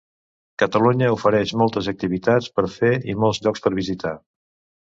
Catalunya ofereix moltes activitats per fer i molts llocs per visitar.